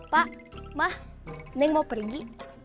pak mah neng mau pergi